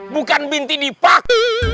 bukan binti dipak